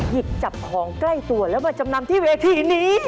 หยิบจับของใกล้ตัวแล้วมาจำนำที่เวทีนี้